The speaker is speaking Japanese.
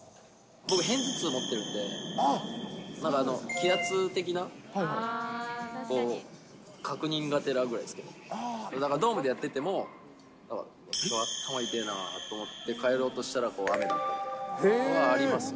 僕、片頭痛持ってるんで、だから気圧的な確認がてらぐらいですけれども、だからドームでやってても、頭いてえなぁと思って、帰ろうとしたら、雨だというのはあります。